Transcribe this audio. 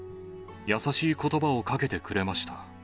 優しいことばをかけてくれました。